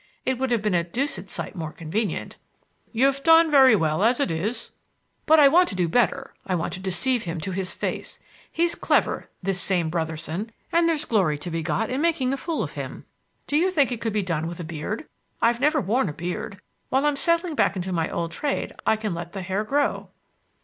It would have been a deuced sight more convenient." "You've done very well as it is." "But I want to do better. I want to deceive him to his face. He's clever, this same Brotherson, and there's glory to be got in making a fool of him. Do you think it could be done with a beard? I've never worn a beard. While I'm settling back into my old trade, I can let the hair grow."